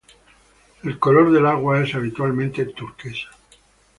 El color del agua es habitualmente turquesa.